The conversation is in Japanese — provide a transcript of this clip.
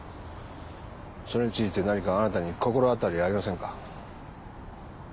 それについて何かあなたに心当たりはありませんか？